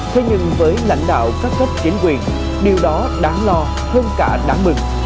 thế nhưng với lãnh đạo các cấp chính quyền điều đó đáng lo hơn cả đáng mừng